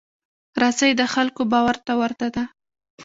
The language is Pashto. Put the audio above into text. رسۍ د خلکو باور ته ورته ده.